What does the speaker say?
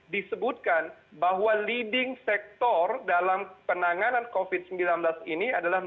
disebutkan bahwa leading sector dalam penanganan covid sembilan belas ini adalah